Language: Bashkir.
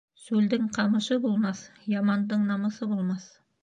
Сүлдең ҡамышы булмаҫ, ямандың намыҫы булмаҫ.